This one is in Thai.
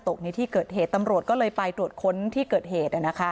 ในที่เกิดเหตุตำรวจก็เลยไปตรวจค้นที่เกิดเหตุ